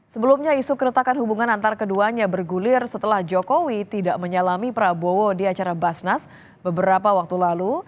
sebelumnya isu keretakan hubungan antar keduanya bergulir setelah jokowi tidak menyalami prabowo di acara basnas beberapa waktu lalu